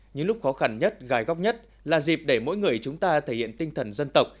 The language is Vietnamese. những lúc khó khăn nhất gài góc nhất là dịp để mỗi người chúng ta thể hiện tinh thần dân tộc